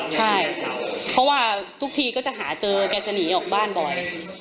ใช่เพราะว่าทุกทีก็จะหาเจอแกจะหนีออกบ้านบ่อย